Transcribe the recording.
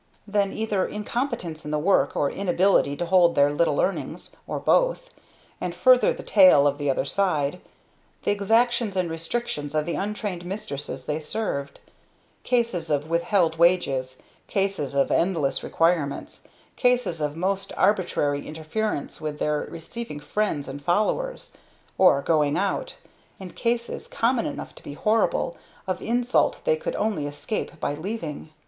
Then either incompetence in the work, or inability to hold their little earnings or both; and further the Tale of the Other Side the exactions and restrictions of the untrained mistresses they served; cases of withheld wages; cases of endless requirements; cases of most arbitrary interference with their receiving friends and "followers," or going out; and cases, common enough to be horrible, of insult they could only escape by leaving.